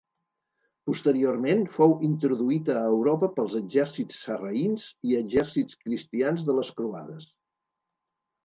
Posteriorment, fou introduït a Europa pels exèrcits sarraïns i exèrcits cristians de les croades.